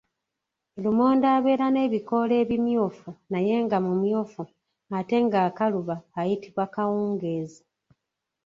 Lumonde abeera n’ebikoola ebimyufu naye nga mumyufu ate ng’akaluba ayitibwa kawungeezi.